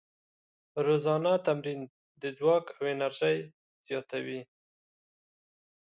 روزانه تمرین د ځواک او انرژۍ زیاتوي.